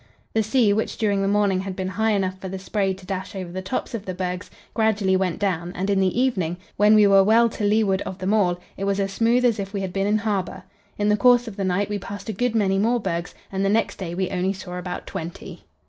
The sea, which during the morning had been high enough for the spray to dash over the tops of the bergs, gradually went down, and in the evening, when we were well to leeward of them all, it was as smooth as if we had been in harbour. In the course of the night we passed a good many more bergs, and the next day we only saw about twenty.